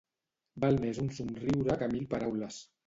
Val més un somriure que mil paraules